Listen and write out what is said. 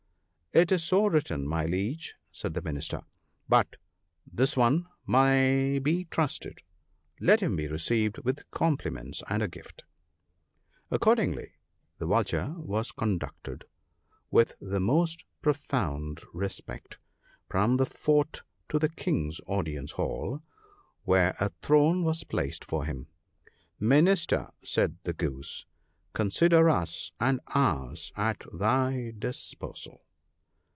' It is so written, my Liege,' said the Minister. * But this one may be trusted. Let him be received with compliments and a gift/ "Accordingly the Vulture was conducted, with the most profound respect, from the fort to the King's aildience hall, where a throne was placed for him. 'Minister,' said the Goose, 'consider us and ours at thy disposal.'